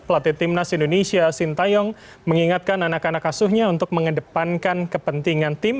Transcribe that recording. pelatih timnas indonesia sintayong mengingatkan anak anak asuhnya untuk mengedepankan kepentingan tim